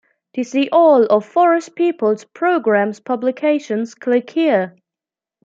To see all of Forest Peoples Programme's publications click here.